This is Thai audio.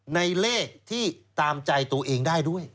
เลขที่ตามใจตัวเองได้ด้วย